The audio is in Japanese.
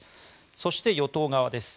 そして、与党側です。